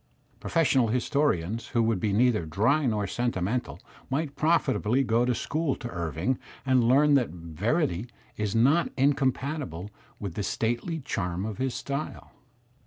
Frofessional historians who would be neither dry nor sentimental might profitably go to school to Irving and learn that verity is not incompatible with the stately charm of his style.